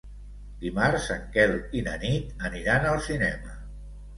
Dimarts en Quel i na Nit aniran al cinema.